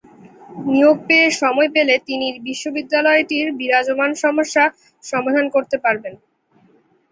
নিয়োগ পেয়ে সময় পেলে তিনি বিশ্ববিদ্যালয়টির বিরাজমান সমস্যা সমাধান করতে পারবেন।